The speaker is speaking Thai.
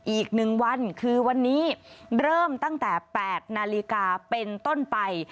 อีก๑วันคือวันนี้เริ่มตั้งแต่๘นาฬิกาเป็นต้นไป